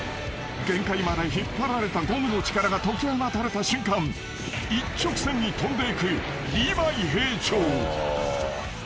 ［限界まで引っ張られたゴムの力が解き放たれた瞬間一直線に飛んでいくリヴァイ兵長］